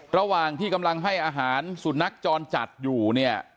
ระหว่างที่กำลังให้อาหารสุนัขจรจัดอยู่เนี่ย